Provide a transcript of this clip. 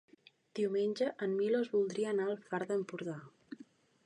Diumenge en Milos voldria anar al Far d'Empordà.